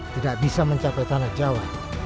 tidak bisa mencapai tanah jawa